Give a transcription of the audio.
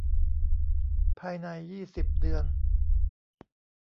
ภายใน ยี่สิบ เดือน